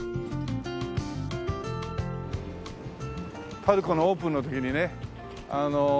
パルコのオープンの時にね